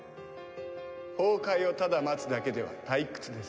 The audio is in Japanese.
崩壊をただ待つだけでは退屈です。